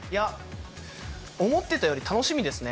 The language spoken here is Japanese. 思ってたより楽しみですね。